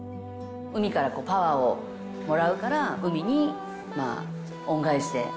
海からパワーをもらうから、海に恩返しで。